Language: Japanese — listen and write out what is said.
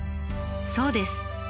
そうです。